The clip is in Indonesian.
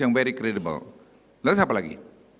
yang very credible lagi siapa lagi